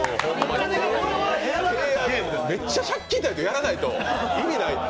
めっちゃ借金あってやらないと意味ない。